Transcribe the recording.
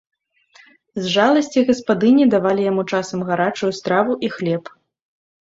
З жаласці гаспадыні давалі яму часам гарачую страву і хлеб.